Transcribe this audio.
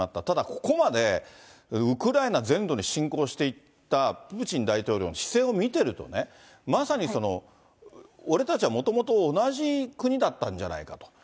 ただ、ここまでウクライナ全土に侵攻していったプーチン大統領の姿勢を見てるとね、まさに俺たちはもともと同じ国だったんじゃないかと。